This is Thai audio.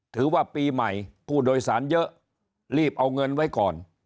ถือว่าปีใหม่ผู้โดยสารเยอะรีบเอาเงินไว้ก่อน